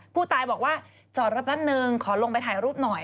ผู้ตายบอกว่าจอดรถแป๊บนึงขอลงไปถ่ายรูปหน่อย